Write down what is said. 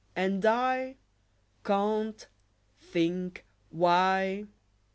And I can't think why!